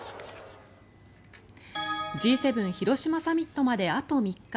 Ｇ７広島サミットまであと３日。